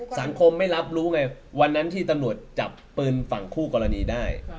สามคมไม่รับรู้ไงวันนั้นที่ตลอดจับปืนทางคู่กรณีได้